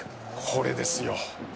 これですよ。